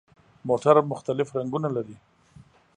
موټر مختلف رنګونه لري.